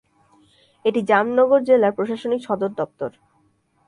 এটি জামনগর জেলার প্রশাসনিক সদর দপ্তর।